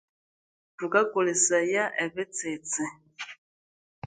Thukakolesaya ebitsitsi